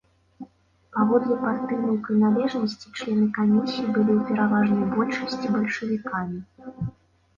Паводле партыйнай прыналежнасці члены камісій былі ў пераважнай большасці бальшавікамі.